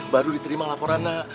baru diterima laporan